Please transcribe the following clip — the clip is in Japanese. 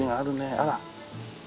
あら。